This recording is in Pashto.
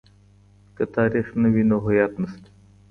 که تاريخ نه وي نو هويت نسته.